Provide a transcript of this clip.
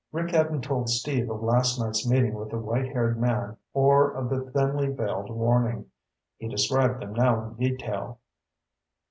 Rick hadn't told Steve of last night's meeting with the white haired man or of the thinly veiled warning. He described them now in detail.